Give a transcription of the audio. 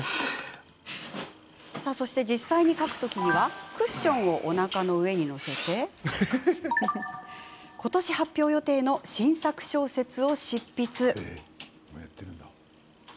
そして、実際に書く時にはクッションをおなかの上に載せて今年、発表予定の新作小説を執筆。